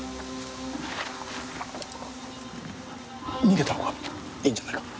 逃げた方がいいんじゃないか。